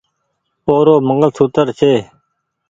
او رو منگل ڇي